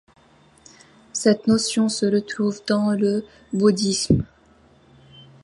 Cette notion se retrouve dans le bouddhisme.